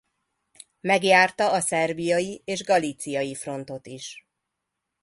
Megjárta a szerbiai és galíciai frontot is.